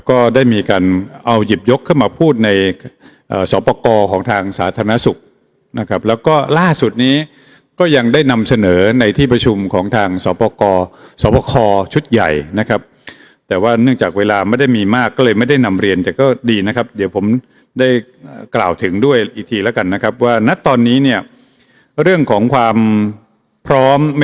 ก็ได้มีการเอาหยิบยกเข้ามาพูดในสอบประกอบของทางสาธารณสุขนะครับแล้วก็ล่าสุดนี้ก็ยังได้นำเสนอในที่ประชุมของทางสอบประกอบสวบคอชุดใหญ่นะครับแต่ว่าเนื่องจากเวลาไม่ได้มีมากก็เลยไม่ได้นำเรียนแต่ก็ดีนะครับเดี๋ยวผมได้กล่าวถึงด้วยอีกทีแล้วกันนะครับว่าณตอนนี้เนี่ยเรื่องของความพร้อม